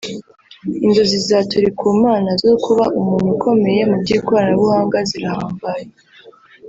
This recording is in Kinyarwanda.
Inzozi za Turikumana zo kuzaba umuntu ukomeye mu by’ikoranabuhanga zirahambaye